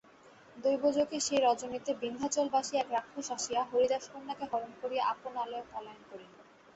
দৈবযোগে সেই রজনীতে বিন্ধ্যাচলবাসী এক রাক্ষস আসিয়া হরিদাসকন্যাকে হরণ করিয়া আপন আলয়ে পলায়ন করিল।